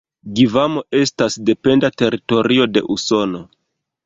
Gvamo estas dependa teritorio de Usono.